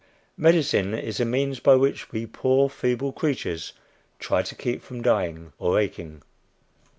Medicine is the means by which we poor feeble creatures try to keep from dying or aching.